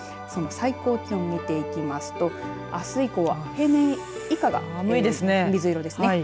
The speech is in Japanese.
その最高気温を見ていきますとあす以降は、平年以下が水色ですね。